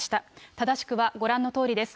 正しくはご覧のとおりです。